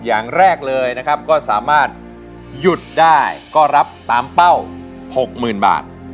อย่างแรกเลยนะครับก็สามารถหยุดได้ก็รับตามเป้า๖๐๐๐บาท